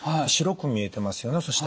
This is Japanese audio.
白く見えてますよね。